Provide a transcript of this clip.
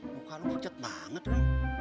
muka lu pencet banget ya